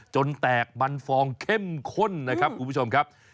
แตกมันฟองเข้มข้นนะครับคุณผู้ชมครับ